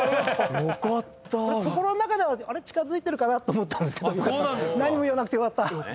心の中では近づいてるかなと思ったんですけど何も言わなくてよかった！